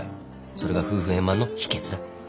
それが夫婦円満の秘訣だ。